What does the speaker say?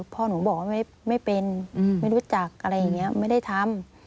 พ่อหนูบอกว่าไม่เป็นไม่รู้จักอะไรอย่างนี้ไม่ได้ทำ